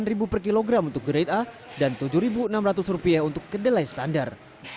rp delapan per kilogram untuk grade a dan rp tujuh enam ratus untuk kedelai standar